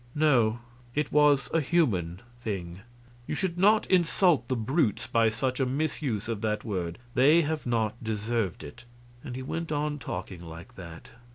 "No, it was a human thing. You should not insult the brutes by such a misuse of that word; they have not deserved it," and he went on talking like that.